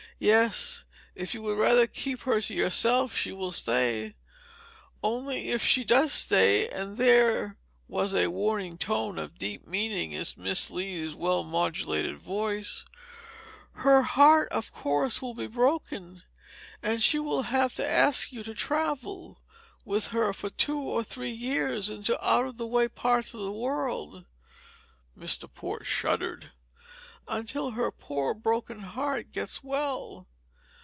Yes, if you would rather keep her to yourself she will stay. Only if she does stay," and there was a warning tone of deep meaning in Miss Lee's well modulated voice, "her heart, of course, will be broken, and she will have to ask you to travel" with her for two or three years into out of the way parts of the world (Mr. Port shuddered) "until her poor broken heart gets well.